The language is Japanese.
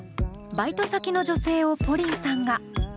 バイト先の女性をＰＯＲＩＮさんが。